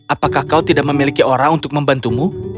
apakah kau tidak memiliki orang untuk membantumu